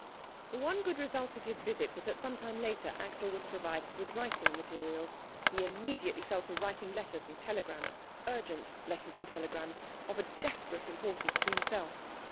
The one good result of his visit was that some time later Axel was provided with writing materials. He immediately fell to writing letters and telegrams; urgent letters and telegrams, of a desperate importance to himself.